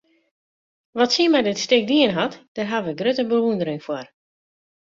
Wat sy mei dit stik dien hat, dêr haw ik grutte bewûndering foar.